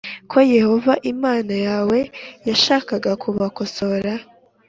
ko Yehova Imana yawe yashakaga kubakosora